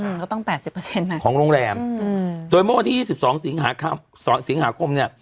อืมก็ต้อง๘๐นะของโรงแรมโดยเมื่อวันที่๒๒สิงหาคมเนี่ย